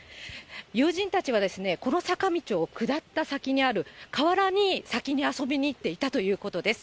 友人たちは、この坂道を下った先にある河原に先に遊びに行っていたということです。